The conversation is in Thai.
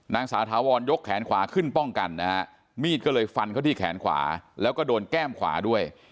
นางสาวถาวรยกแขนขวาขึ้นป้องกันนะฮะมีดก็เลยฟันเขาที่แขนขวาแล้วก็โดนแก้มขวาด้วย